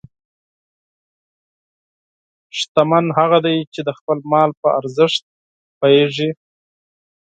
شتمن هغه دی چې د خپل مال په ارزښت پوهېږي.